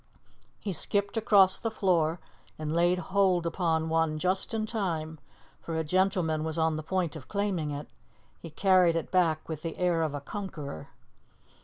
He skipped across the floor and laid hold upon one just in time, for a gentleman was on the point of claiming it. He carried it back with the air of a conqueror.